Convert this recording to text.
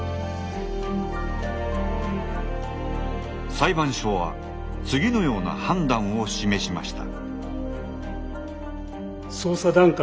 裁判所は次のような判断を示しました。